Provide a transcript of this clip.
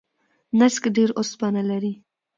نسک ډیر اوسپنه لري.